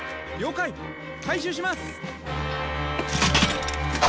回収します！